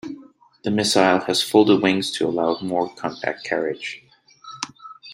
The missile has folded wings to allow more compact carriage.